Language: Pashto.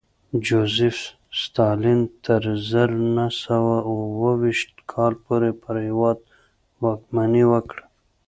جوزېف ستالین تر زر نه سوه اوه ویشت کال پورې پر هېواد واکمني وکړه